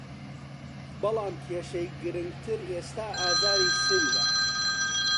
بەڵام کیشەی گرنگتر ئێستا ئازاری سنگه